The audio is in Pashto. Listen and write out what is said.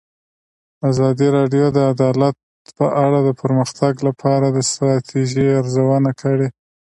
ازادي راډیو د عدالت په اړه د پرمختګ لپاره د ستراتیژۍ ارزونه کړې.